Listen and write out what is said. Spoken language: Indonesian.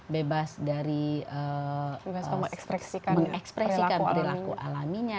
bebas dari mengekspresikan perilaku alaminya